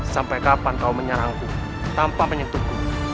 sampai kapan kau menyerangku tanpa menyentuhku